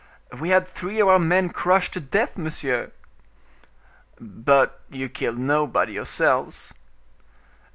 "We had three of our men crushed to death, monsieur!" "But you killed nobody yourselves?"